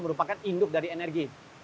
merupakan induk dari energi